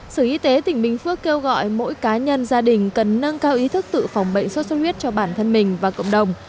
sở y tế tỉnh bình phước kêu gọi mỗi cá nhân gia đình cần nâng cao ý thức tự phòng bệnh sốt xuất huyết cho bản thân mình và cộng đồng